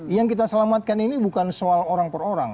yang kita selamatkan ini bukan soal orang per orang